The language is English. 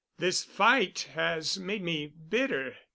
This fight has made me bitter.